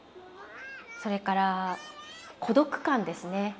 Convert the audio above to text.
それから孤独感ですね。